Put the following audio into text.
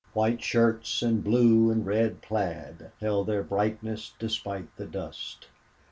White shirts and blue and red plaid held their brightness despite the dust.